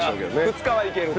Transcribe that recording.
２日はいけると。